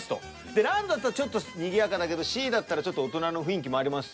でランドだったらちょっとにぎやかだけどシーだったらちょっと大人の雰囲気もありますし。